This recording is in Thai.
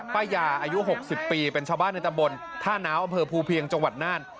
ป้ายาอายุ๖๐ปีเป็นชาวบ้านในตำบลท่านาวอำเภอภูเพียงจังหวัดน่าน